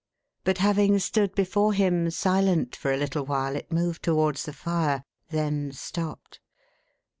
But, having stood before him, silent, for a little while, it moved towards the fire ; then stopped.